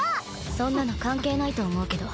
そんなの関係ないと思うけど。